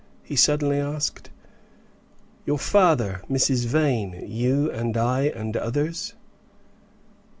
he suddenly asked. "Your father, Mrs. Vane, you, I and others?"